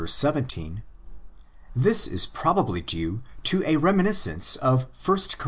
17), this is probably due to a reminiscence of 1 Cor.